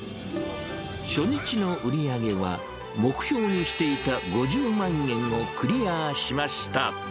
初日の売り上げは、目標にしていた５０万円をクリアしました。